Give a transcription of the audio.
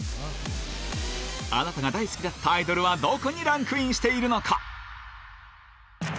あなたが大好きだったアイドルはどこにランクインしてるのか。